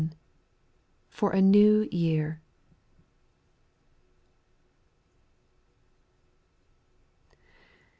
(for a new year.)